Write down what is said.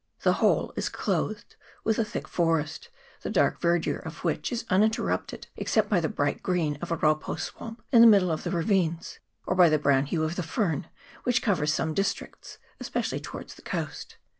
The whole is CHAP. XIV.] FORESTS. 223 clothed with a thick forest, the dark verdure of which is uninterrupted, except by the bright green of a raupo swamp in the bottom of the ravines, or by the brown hue of the fern, which covers some districts, especially towards the coast.